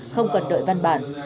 không cần đợi văn bản